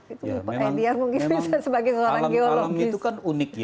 itu mungkin mungkin bisa sebagai orang geologis